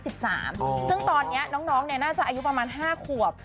ซึ่งตอนนี้น้องน่าจะอายุประมาณ๕ขวบ